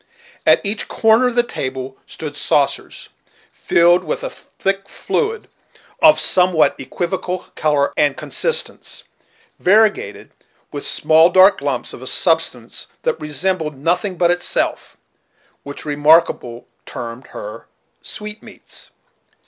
At each corner of the table stood saucers, filled with a thick fluid of some what equivocal color and consistence, variegated with small dark lumps of a substance that resembled nothing but itself, which Remarkable termed her "sweetmeats."